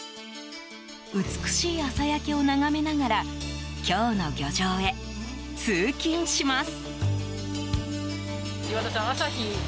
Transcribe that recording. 美しい朝焼けを眺めながら今日の漁場へ通勤します。